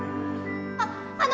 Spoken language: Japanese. あっあの